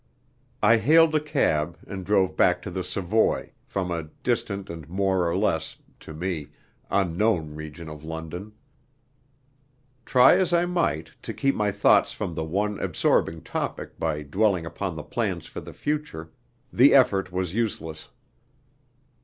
I hailed a cab and drove back to the Savoy, from a distant and more or less (to me) unknown region of London. Try as I might to keep my thoughts from the one absorbing topic by dwelling upon the plans for the future, the effort was useless.